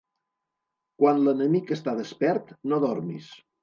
Quan l'enemic està despert, no dormis.